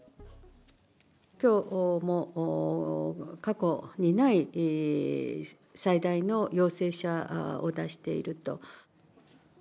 きょうも過去にない、最大の陽性者を出していると。